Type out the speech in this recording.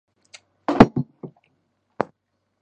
春季这里是著名的赏樱花胜地。